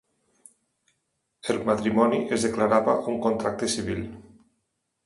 El matrimoni es declarava un contracte civil.